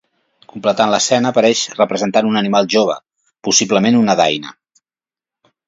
Completant l'escena apareix representat un animal jove, possiblement una daina.